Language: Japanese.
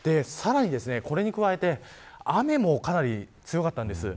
さらに、これに加えて雨もかなり強かったんです。